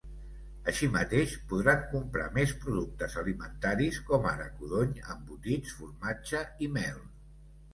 Així mateix, podran comprar més productes alimentaris com ara codony, embotits, formatge i mel.